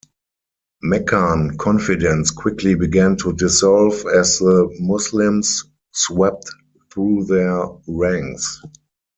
Meccan confidence quickly began to dissolve as the Muslims swept through their ranks.